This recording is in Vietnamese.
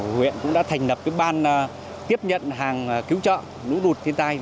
huyện cũng đã thành lập ban tiếp nhận hàng cứu trợ nũ đụt thiên tai